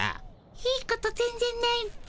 いいこと全ぜんないっピ。